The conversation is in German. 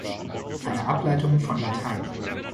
Eine Ableitung von latein.